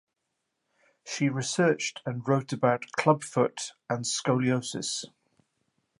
She researched and wrote about clubfoot and scoliosis.